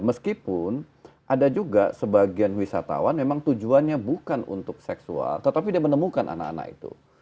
meskipun ada juga sebagian wisatawan memang tujuannya bukan untuk seksual tetapi dia menemukan anak anak itu